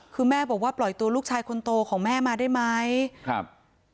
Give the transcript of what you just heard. คือแม่บอกว่าปล่อยตัวลูกชายคนโตของแม่มาได้ไหมครับ